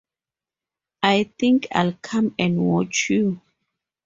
I think I'll come and watch you.